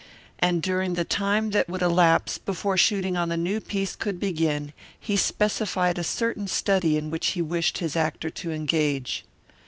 And during the time that would elapse before shooting on the new piece could begin he specified a certain study in which he wished his actor to engage.